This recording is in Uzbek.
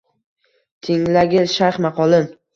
Tinglagil shayx maqolin.